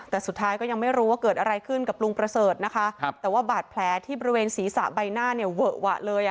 แต่สุดท้ายก็ยังไม่รู้ว่าเกิดอะไรขึ้นกับลุงประเสริฐนะคะแต่ว่าบาดแผลที่บริเวณศีรษะใบหน้าเนี่ยเวอะหวะเลยอ่ะ